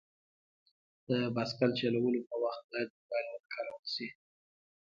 د بایسکل چلولو په وخت باید موبایل ونه کارول شي.